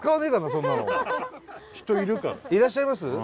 いらっしゃいます？